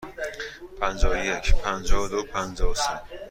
پنجاه و یک، پنجاه و دو، پنجاه و سه.